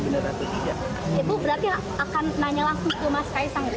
ibu berarti akan nanya langsung ke mas kaisang